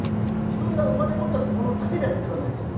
自分が生まれ持ったものだけでやってるわけですよ。